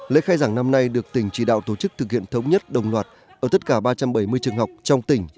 lễ khai giảng năm nay được tỉnh chỉ đạo tổ chức thực hiện thống nhất đồng loạt ở tất cả ba trăm bảy mươi trường học trong tỉnh